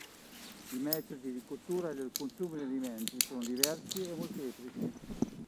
I metodi di cottura e del consumo di alimenti sono diversi e molteplici.